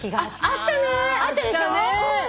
あったね！